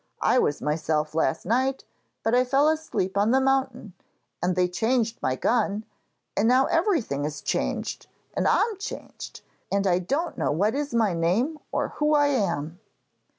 I was myself last night, but I fell asleep on the mountain and they changed my gun, and now everything is changed and I'm changed, and I don't know what is my name or who I am.'